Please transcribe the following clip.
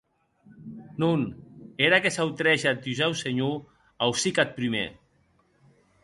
Non, era que s’autrege ath dusau senhor, aucic ath prumèr.